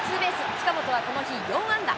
近本はこの日、４安打。